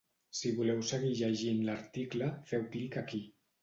Si voleu seguir llegint l’article, feu clic aquí.